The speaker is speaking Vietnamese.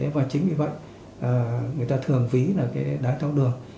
và chính vì vậy người ta thường ví là cái đá tháo đường